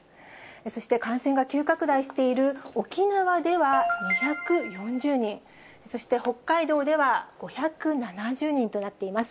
そして感染が急拡大している沖縄では２４０人、そして北海道では５７０人となっています。